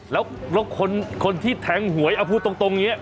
แล้วคนที่แทงหวยเอาพูดตรงนี้